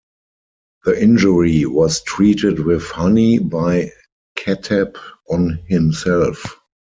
The injury was treated with honey by Khattab on himself.